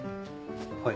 はい。